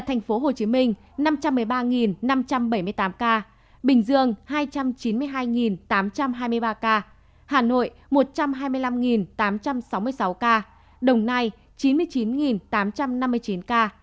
tp hcm năm trăm một mươi ba năm trăm bảy mươi tám ca bình dương hai trăm chín mươi hai tám trăm hai mươi ba ca hà nội một trăm hai mươi năm tám trăm sáu mươi sáu ca đồng nai chín mươi chín tám trăm năm mươi chín ca tây ninh tám mươi bảy chín trăm sáu mươi hai ca